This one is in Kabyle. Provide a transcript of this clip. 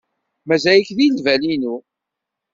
Mazal-ik deg lbal-inu.